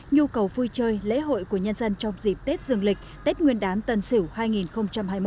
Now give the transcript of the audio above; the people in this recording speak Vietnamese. nhu cầu vui chơi lễ hội của nhân dân trong dịp tết dương lịch tết nguyên đán tân sỉu hai nghìn hai mươi một